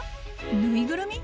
縫いぐるみ？